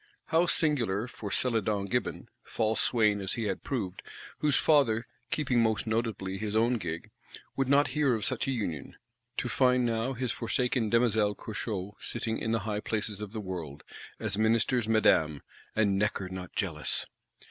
How singular for Celadon Gibbon, false swain as he had proved; whose father, keeping most probably his own gig, "would not hear of such a union,"—to find now his forsaken Demoiselle Curchod sitting in the high places of the world, as Minister's Madame, and "Necker not jealous!"